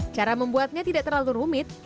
cara membuatnya tidak terlalu rumit